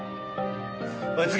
おい次！